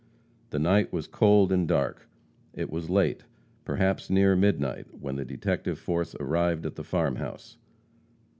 The night was cold and dark. It was late perhaps near midnight, when the detective force arrived at the farm house.